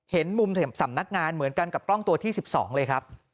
เห็นมุมสำนักงานเหมือนกันกับกล้องตัวที่๑๒เลยครับ